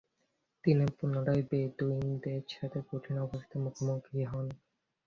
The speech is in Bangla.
তিনি পুনরায় বেদুইনদের সাথে কঠিন অবস্থার মুখোমুখি হন।